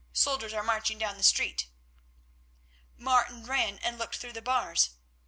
Soldiers are marching down the street." Martin ran and looked through the bars.